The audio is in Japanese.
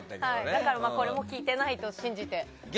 だからこれも聞いてないと信じて。